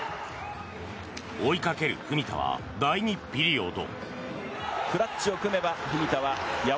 追いかける文田は第２ピリオド。